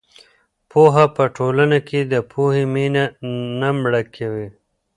پوهه په ټولنه کې د پوهې مینه نه مړه کوي.